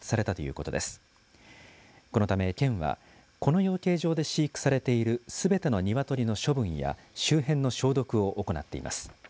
このため県はこの養鶏場で飼育されているすべての鶏の処分や周辺の消毒を行っています。